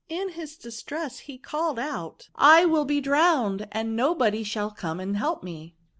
In his distress he called out, ^ I will be drowned^ and nobody shall come and help me.'